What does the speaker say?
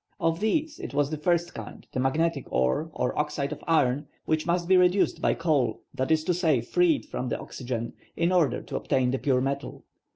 Of these, it was the first kind, the magnetic ore, or oxide of iron, which must be reduced by coal, that is to say, freed from the oxygen, in order to obtain the pure metal.